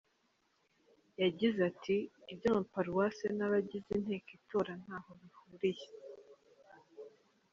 Yagize ati “Iby’amaparuwase n’abagize inteko itora ntaho bihuriye.